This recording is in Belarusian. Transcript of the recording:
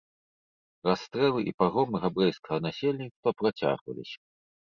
Расстрэлы і пагромы габрэйскага насельніцтва працягваліся.